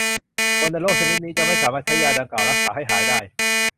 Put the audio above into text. วัณโรคชนิดนี้จะไม่สามารถใช้ยาดังกล่าวรักษาให้หายได้